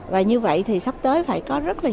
và như vậy thì sắp tới phải có rất là nhiều